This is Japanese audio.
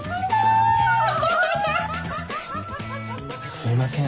すいません